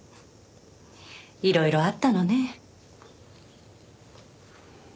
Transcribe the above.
いろいろあったのね。